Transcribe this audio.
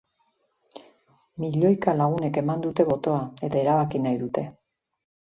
Milioika lagunek eman dute botoa, eta erabaki nahi dute.